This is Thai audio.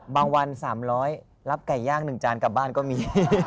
วัน๓๐๐รับไก่ย่าง๑จานกลับบ้านก็มี